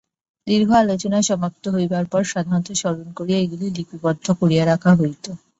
দীর্ঘ আলোচনা সমাপ্ত হইবার পর সাধারণত স্মরণ করিয়া এগুলি লিপিবদ্ধ করিয়া রাখা হইত।